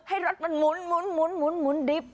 ให้รถมันหมุนดริป